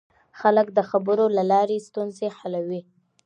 خلک د خبرو له لارې ستونزې حلوي